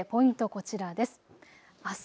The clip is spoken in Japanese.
こちらです。